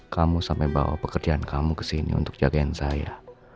kamu sampai bawa pekerjaan kamu kesini untuk jaga yang saya